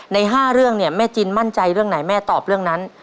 ใน๕เรื่องเนี่ยแม่จินมั่นใจเรื่องไหนแม่ตอบเรื่องนั้น